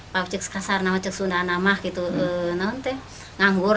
pak ceks kasar dan pak ceks sunda yang menganggur